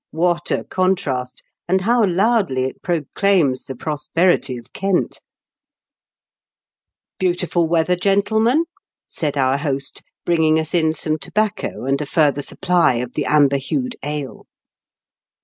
What a contrast 1 And how loudly it proclaims the prosperity of Kent I *^ Beautiful weather, gentlemen," said our host, bringing us in some tobacco and a further supply of the amber hued ale.